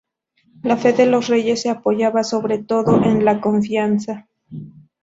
La fe de los reyes se apoyaba, sobre todo, en la confianza.